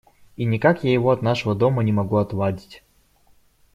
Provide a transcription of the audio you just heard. И никак я его от нашего дома не могу отвадить.